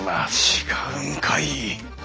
違うんかい！